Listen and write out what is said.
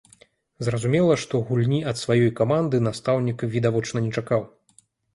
Зразумела, што гульні ад сваёй каманды настаўнік відавочна не чакаў.